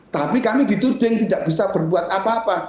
tapi kami dituding tidak bisa berbuat apa apa